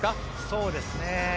そうですね。